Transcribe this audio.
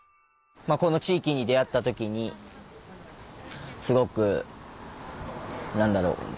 この地域に出会った時にすごくなんだろう？